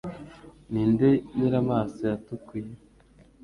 Ni nde nyir’amaso yatukuye